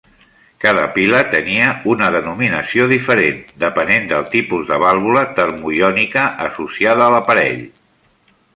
Cada pila tenia una denominació diferent, depenent del tipus de vàlvula termoiònica associada a l'aparell.